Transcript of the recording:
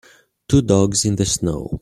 Two dogs in the snow.